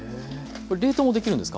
これ冷凍もできるんですか？